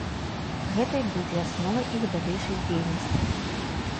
Гэта і будзе асновай іх далейшай дзейнасці.